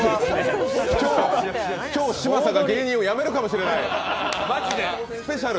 今日、嶋佐が芸人をやめるかもしれないスペシャル！